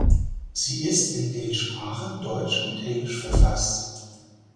Sie ist in den Sprachen Deutsch und Englisch verfasst.